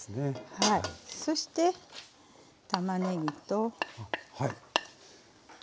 そしてたまねぎと。